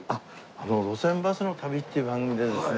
『路線バスの旅』っていう番組でですね